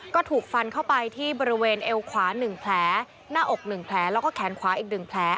ก็ถูกฟันเข้าไปที่บริเวณเอวขวา๑แผลหน้าอก๑แผลแล้วก็แขนขวาอีก๑แผล